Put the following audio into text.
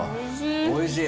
おいしい。